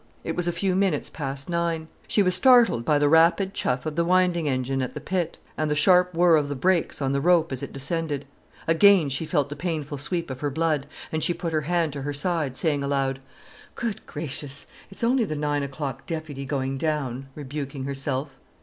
It was a few minutes past nine. She was startled by the rapid chuff of the winding engine at the pit, and the sharp whirr of the brakes on the rope as it descended. Again she felt the painful sweep of her blood, and she put her hand to her side, saying aloud, "Good gracious!—it's only the nine o'clock deputy going down," rebuking herself.